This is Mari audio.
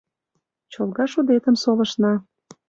Чолга шудетым солышна.